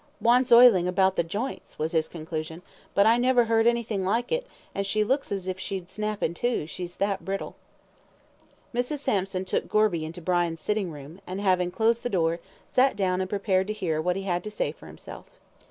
"Wants oiling about the jints," was his conclusion, "but I never heard anything like it, and she looks as if she'd snap in two, she's that brittle." Mrs. Sampson took Gorby into Brian's sitting room, and having closed the door, sat down and prepared to hear what he had to say for himself.